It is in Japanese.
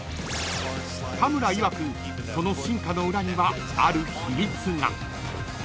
［多村いわくその進化の裏にはある秘密が］